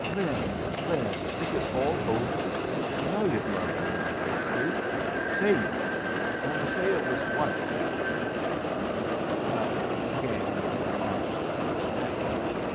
"Lin, Lin, is it all over? You know yus loved me on Bear Creek. Say you did. Only say it was once that way." And as he sat, she came and put her arms round his neck.